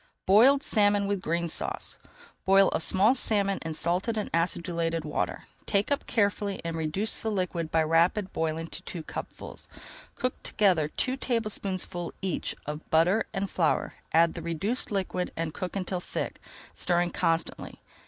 BOILED SALMON WITH GREEN SAUCE Boil a small salmon in salted and acidulated water. Take up carefully and reduce the liquid by rapid boiling to two cupfuls. Cook together [Page 267] two tablespoonfuls each of butter and flour, add the reduced liquid, and cook until thick, stirring constantly.